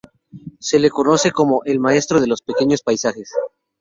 Se le conoce como "el Maestro de los pequeños paisajes".